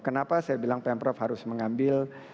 kenapa saya bilang pemprov harus mengambil